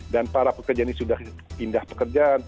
dan para pekerja ini sudah pindah pekerjaan